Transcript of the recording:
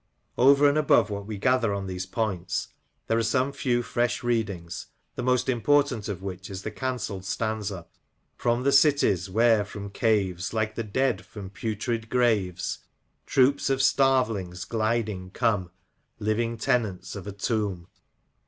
Over and above what we gather on these points, there are some few fresh readings, the most important of which is the cancelled stanza :—From the cities where from caves Like the dead from putrid graves Troops of starvelings gliding come Living tenants of a tomb."